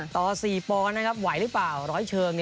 ต่อ๔ปอนด์นะครับไหวหรือเปล่าร้อยเชิง